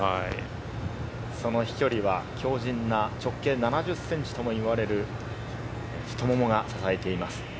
その飛距離は強靭な直径７０ｃｍともいわれる太ももが支えています。